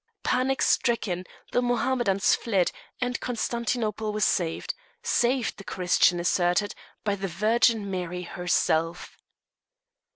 Panic stricken, the Mohammedans fled, and Constantinople was saved; saved, the Christians asserted, by the Virgin Mary herself.